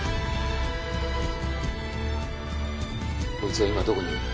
こいつは今どこにいる？